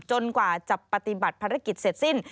กว่าจะปฏิบัติภารกิจเสร็จสิ้น